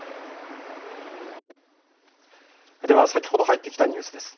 では先ほど入ってきたニュースです。